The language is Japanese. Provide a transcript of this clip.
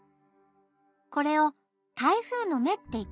これを「台風のめ」っていってね。